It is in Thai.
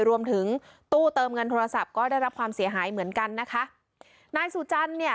รวมถึงตู้เติมเงินโทรศัพท์ก็ได้รับความเสียหายเหมือนกันนะคะนายสุจันเนี่ย